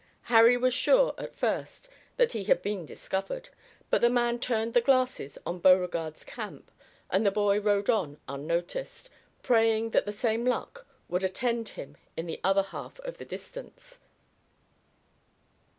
Harry was sure at first that he had been discovered, but the man turned the glasses on Beauregard's camp, and the boy rode on unnoticed, praying that the same luck would attend him in the other half of the distance.